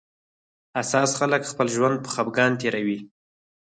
حساس خلک خپل ژوند په خپګان تېروي